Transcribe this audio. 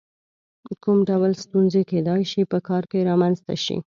کوم ډول ستونزې کېدای شي په کار کې رامنځته شي؟